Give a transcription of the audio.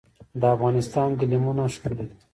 د افغانستان ګلیمونه ښکلي دي